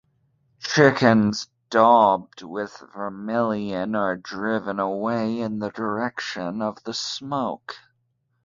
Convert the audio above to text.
Chickens daubed with vermilion are driven away in the direction of the smoke.